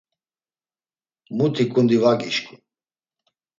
Muti ǩundi var gişǩun.